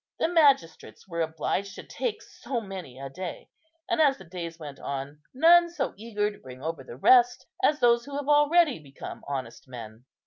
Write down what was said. The magistrates were obliged to take so many a day; and, as the days went on, none so eager to bring over the rest as those who have already become honest men.